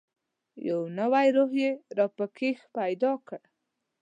یو نوی روح یې را پکښې پیدا کړ.